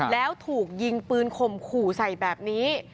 แล้วถูกยิงปืนข่มขู่ใส่แบบนี้